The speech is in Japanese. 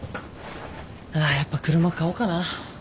ああやっぱ車買おうかな。